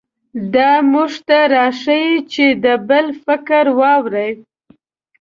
دا موږ ته راښيي چې د بل فکر واورئ.